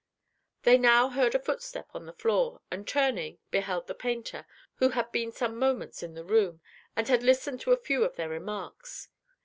They now heard a footstep on the floor, and turning, beheld the painter, who had been some moments in the room, and had listened to a few of their remarks.